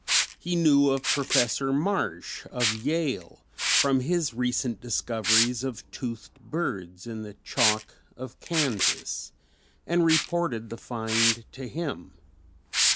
He knew of Professor Marsh of Yale from his recent discoveries of toothed birds in the chalk of Kansas, and reported the find to him.